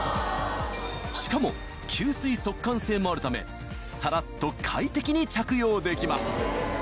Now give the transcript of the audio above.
しかも吸水速乾性もあるためさらっと快適に着用できます